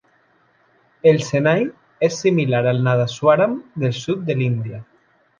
El shehnai és similar al nadaswaram del sud de l'Índia.